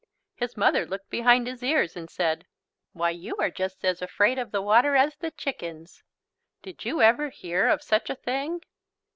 His mother looked behind his ears and said: "Why you are just as afraid of the water as the chickens." Did you ever hear of such a thing!